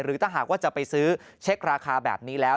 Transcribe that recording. ถ้าหากว่าจะไปซื้อเช็คราคาแบบนี้แล้ว